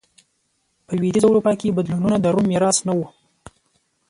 په لوېدیځه اروپا کې بدلونونه د روم میراث نه و.